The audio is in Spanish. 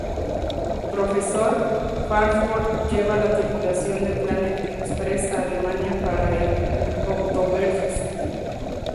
Profesor Farnsworth lleva la tripulación de Planet Express a Alemania para el Oktoberfest.